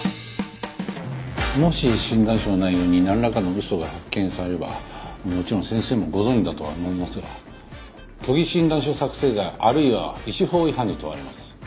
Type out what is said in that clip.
もし診断書の内容になんらかの嘘が発見されればもちろん先生もご存じだとは思いますが虚偽診断書作成罪あるいは医師法違反に問われます。